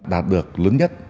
đạt được lớn nhất